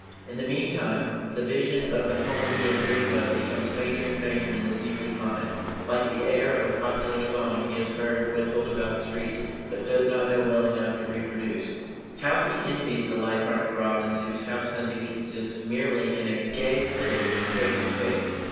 In the meantime, the vision of the home he had dreamed of becomes fainter and fainter in the seeker's mind like the air of a popular song he has heard whistled about the streets, but does not know well enough to reproduce. How he envies the light hearted robins, whose house hunting consists merely in a gay flitting from twig to twig.